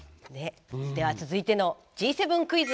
では続いてのＧ７クイズ！